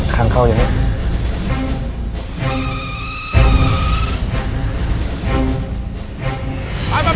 ทางเข้าอยู่นิดนึง